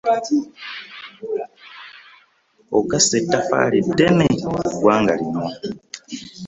Ogasse ettoffaali ddene ku ggwanga lino.